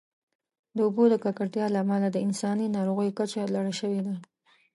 د اوبو د ککړتیا له امله د انساني ناروغیو کچه لوړه شوې ده.